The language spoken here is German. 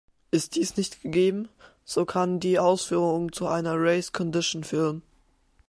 Ist dies nicht gegeben, so kann die Ausführung zu einer Race Condition führen.